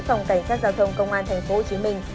phòng cảnh sát giao thông công an thành phố hồ chí minh